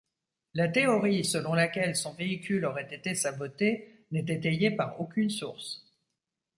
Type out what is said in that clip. La théorie selon laquelle son véhicule aurait été saboté n’est étayée par aucune source.